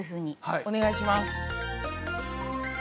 お願いします。